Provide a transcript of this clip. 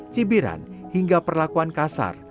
sibiran hingga perlakuan kasar